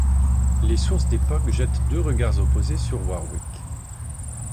Les sources d'époque jettent deux regards opposés sur Warwick.